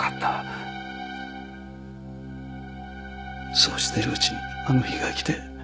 そうしてるうちにあの日が来て。